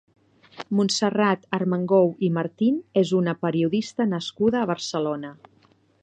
Montserrat Armengou i Martín és una periodista nascuda a Barcelona.